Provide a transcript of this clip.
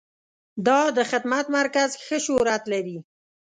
دا د خدمت مرکز ښه شهرت لري.